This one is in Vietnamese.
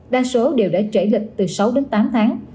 đa số đều đã trễ lịch từ sáu đến tám tháng